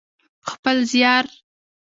په خپل زیار.